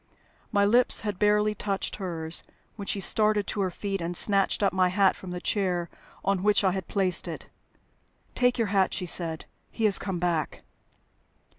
My lips had barely touched hers, when she started to her feet and snatched up my hat from the chair on which I had placed it. "Take your hat," she said. "He has come back."